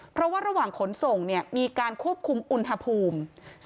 เพราะว่าระหว่างขนส่งมีการควบคุมอุณหภูมิ